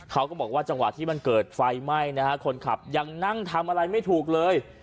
เขาก็บอกว่าจังหวะที่มันเกิดไฟไหม้นะฮะคนขับยังนั่งทำอะไรไม่ถูกเลย